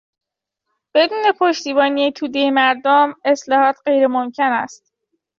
بدون پشتیبانی تودهی مردم اصلاحات غیر ممکن است.